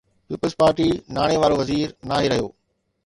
Peoples party ناڻي وارو وزير ناهي رهيو؟